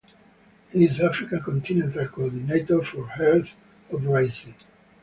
He is Africa Continental Coordinator for Earth Uprising.